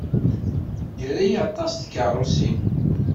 Ira aṭas tikeṛṛusin.